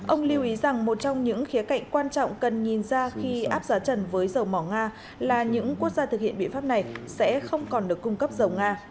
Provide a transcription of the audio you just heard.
ông lưu ý rằng một trong những khía cạnh quan trọng cần nhìn ra khi áp giá trần với dầu mỏ nga là những quốc gia thực hiện biện pháp này sẽ không còn được cung cấp dầu nga